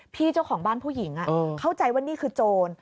เจ้าของบ้านผู้หญิงเข้าใจว่านี่คือโจร